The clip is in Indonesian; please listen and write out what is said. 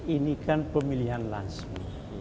ini kan pemilihan langsung